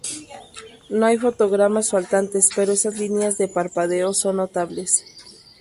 No hay fotogramas faltantes, pero esas líneas de parpadeo son notables.